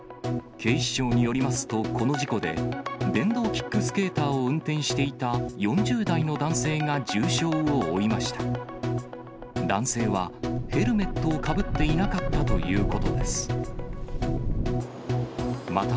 警視庁によりますと、この事故で、電動キックスケーターを運転していた４０代の男性が重傷を負いました。